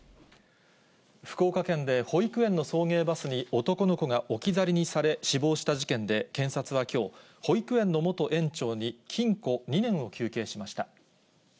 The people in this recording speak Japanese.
福岡県で保育園の送迎バスに男の子が置き去りにされ、死亡した事件で、検察はきょう、保育園の元園長に禁錮２年を求刑しました。